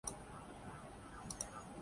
Preston جی Foster Birmingham الا